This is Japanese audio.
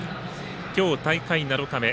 今日、大会７日目。